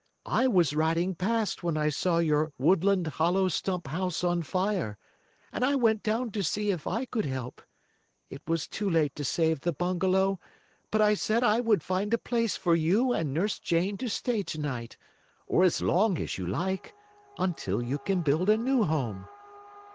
"I was riding past when I saw your Woodland hollow stump house on fire, and I went down to see if I could help. It was too late to save the bungalow, but I said I would find a place for you and Nurse Jane to stay to night, or as long as you like, until you can build a new home."